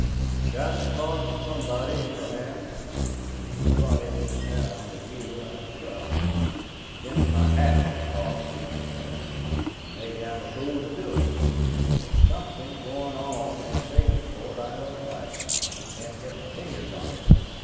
"I've got to talk to somebody, Ingraham, and there's nobody in this town but you I'd trust. It's against my habit to talk, you know that, and maybe I'm a fool to do it; but there's something going on in Sabinsport I don't like. I can't get my fingers on it.